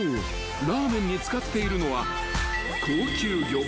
ラーメンに使っているのは］